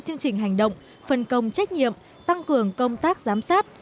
chương trình hành động phân công trách nhiệm tăng cường công tác giám sát